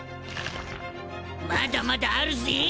まだまだあるぜ。